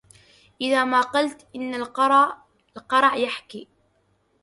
إذا ما قلت إن القرع يحكي